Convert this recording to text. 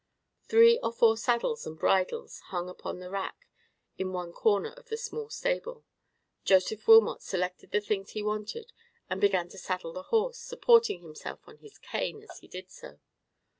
Three or four saddles and bridles hung upon a rack in one corner of the small stable. Joseph Wilmot selected the things he wanted, and began to saddle the horse, supporting himself on his cane as he did so.